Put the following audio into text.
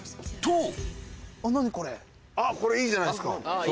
とあっこれいいじゃないですか。